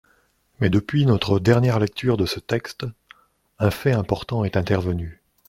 Mais, depuis notre dernière lecture de ce texte, un fait important est intervenu.